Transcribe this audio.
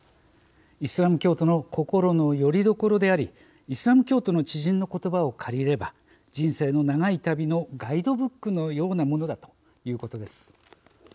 イスラム教徒の心のよりどころでありイスラム教徒の知人の言葉を借りれば人生の長い旅のガイドブックのようなものだということです。